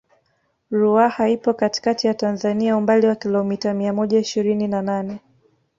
Ruaha ipo katikati ya Tanzania umbali wa kilomita mia moja ishirini na nane